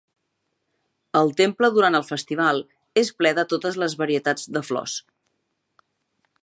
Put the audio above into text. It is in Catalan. El temple durant el festival és ple de totes les varietats de flors.